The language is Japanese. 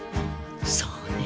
そうね。